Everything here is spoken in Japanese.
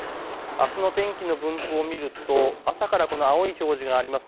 あすの朝の天気の分布を見ると、朝から青い表示があります。